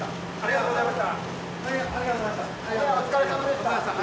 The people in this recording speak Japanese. ありがとうございます。